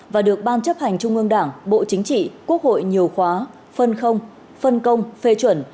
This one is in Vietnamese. và được ban chấp hành trung ương đảng bộ chính trị quốc hội nhiều khóa phân công phê chuẩn